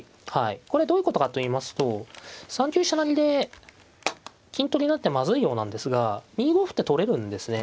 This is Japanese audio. これどういうことかといいますと３九飛車成で金取りになってまずいようなんですが２五歩って取れるんですね。